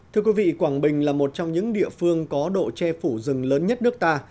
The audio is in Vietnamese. thưa quý vị quảng bình là một trong những địa phương có độ che phủ rừng lớn nhất nước ta